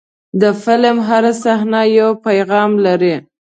د فلم هره صحنه یو پیغام لري.